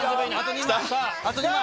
あと２枚！